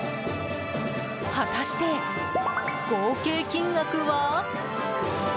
果たして、合計金額は？